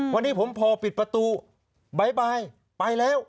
วันนี้ผมพอปิดประตูบ่ายไปแล้ว